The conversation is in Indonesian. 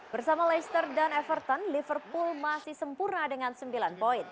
bersama leicester dan everton liverpool masih sempurna dengan sembilan poin